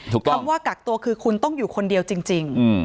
ถูกต้องคำว่ากักตัวคือคุณต้องอยู่คนเดียวจริงจริงอืม